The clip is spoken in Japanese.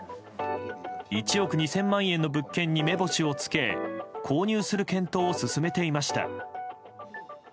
１億２０００万円の物件に目星をつけ購入する検討を進めていました。